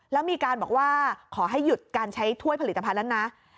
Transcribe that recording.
แล้วมีการบอกว่าขอให้หยุดการใช้ถ้วยผลิตภัณฑ์แล้วนะ